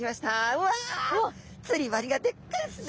うわ釣り針がでっかいですね。